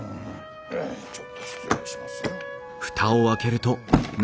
ちょっと失礼しますよ。